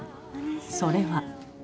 それは。